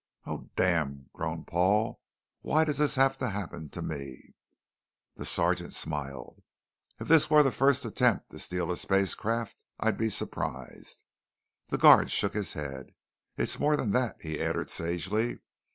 "Oh damn!" groaned Paul. "Why does this have to happen to me?" The sergeant smiled. "If this were the first attempt to steal a spacecraft, I'd be surprised." The guard shook his head. "It's more than that," he added sagely.